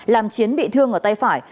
làm chiến bị thương ở tay phải